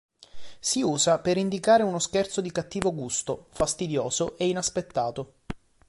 Si usa per indicare uno scherzo di cattivo gusto, fastidioso e inaspettato.